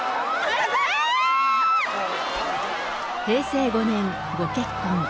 平成５年、ご結婚。